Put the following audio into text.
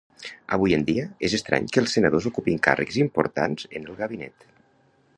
Avui en dia, és estrany que els senadors ocupin càrrecs importants en el gabinet.